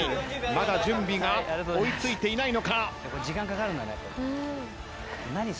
まだ準備が追い付いていないのか？